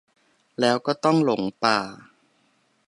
แล้วก็ต้องหลงป่า